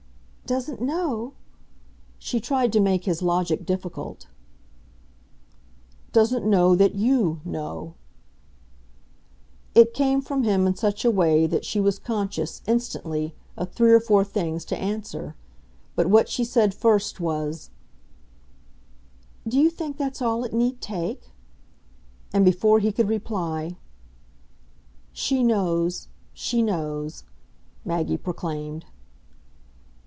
"Doesn't know ?" She tried to make his logic difficult. "Doesn't know that YOU know." It came from him in such a way that she was conscious, instantly, of three or four things to answer. But what she said first was: "Do you think that's all it need take?" And before he could reply, "She knows, she knows!" Maggie proclaimed.